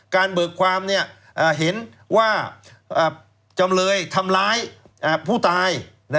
เบิกความเห็นว่าจำเลยทำร้ายผู้ตาย